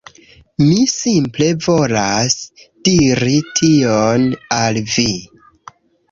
Mi simple volas diri tion al vi.